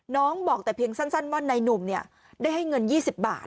น้องบอกแต่เพียงสั้นสั้นว่านายหนุ่มเนี่ยได้ให้เงินยี่สิบบาท